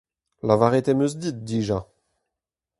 Lavaret em eus dit dija.